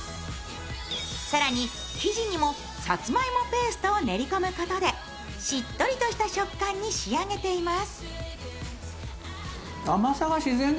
更に生地にもさつまいもペーストを練り込むことでしっとりとした食感に仕上げています。